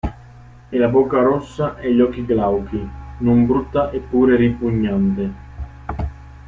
E la bocca rossa e gli occhi glauchi; non brutta eppure ripugnante.